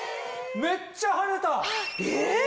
めっちゃ跳ねた！え！